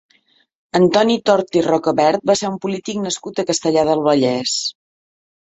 Antoni Tort i Rocavert va ser un polític nascut a Castellar del Vallès.